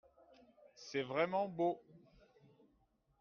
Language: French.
C'est vraiment beau.